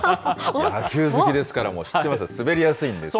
野球好きですから、知ってますよ、滑りやすいんですよ。